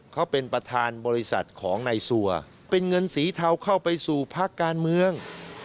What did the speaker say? เขาเป็นประธานบริษัทของนายซัวเป็นเงินสีเทาเข้าไปสู่พักการเมือง